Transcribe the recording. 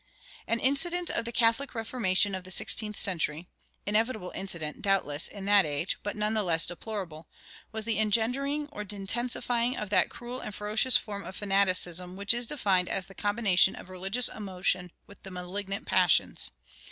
An incident of the Catholic Reformation of the sixteenth century inevitable incident, doubtless, in that age, but none the less deplorable was the engendering or intensifying of that cruel and ferocious form of fanaticism which is defined as the combination of religious emotion with the malignant passions.